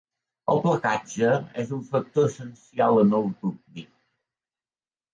El placatge és un factor essencial en el rugbi.